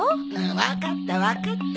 わかったわかった。